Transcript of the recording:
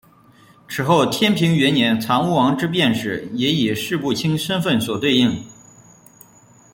此后天平元年长屋王之变时也以式部卿身份所对应。